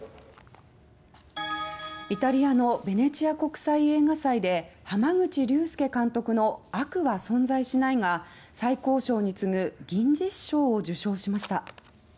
イタリアのベネチア国際映画祭で濱口竜介監督の「悪は存在しない」が最高賞に次ぐ銀獅子賞を受章しました。